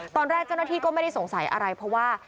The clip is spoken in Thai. ตอนแรกเจ้าหน้าที่ก็ไม่ได้สงสัยอะไรเพราะว่า